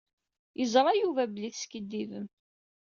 Yeẓṛa Yuba belli teskiddibem.